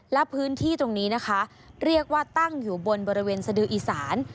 และพื้นที่ตรงนี้นะคะเรียกว่าตั้งอยู่บนบริเวณสดืออีสาน